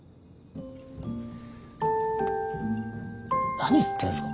何言ってんすか。